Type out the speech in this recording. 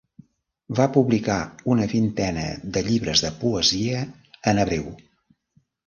Va publicar una vintena de llibres de poesia en hebreu.